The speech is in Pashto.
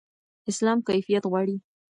اسلام کیفیت غواړي.